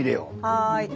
はい。